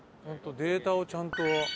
データをちゃんと。